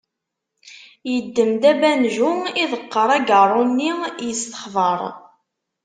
Yedem-d abanju, iḍeqqer agaṛṛu-nni, yestexber.